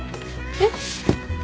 えっ？